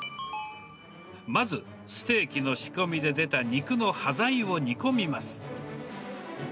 まずステーキの仕込みで出た肉の端材を煮込みます。